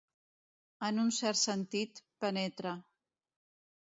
En un cert sentit, penetra.